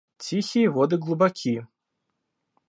Тихие воды глубоки.